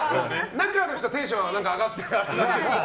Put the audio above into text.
中の人はテンション上がってるから。